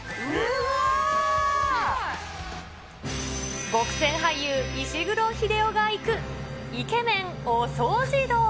ごくせん俳優、石黒英雄が行く、イケメンお掃除道。